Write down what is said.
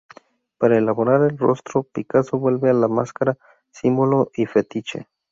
Para elaborar el rostro, Picasso vuelve a la máscara, símbolo y fetiche.